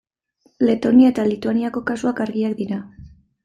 Letonia eta Lituaniako kasuak argiak dira.